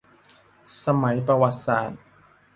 สมัยประวัติศาสตร์